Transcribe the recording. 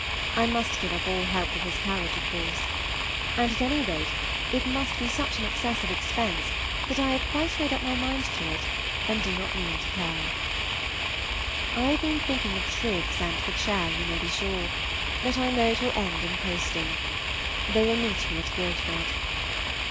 I must give up all help from his carriage, of course. And, at any rate, it must be such an excess of expense that I have quite made up my mind to it, and do not mean to care. I have been thinking of Triggs and the chair, you may be sure, but I know it will end in posting. They will meet me at Guildford.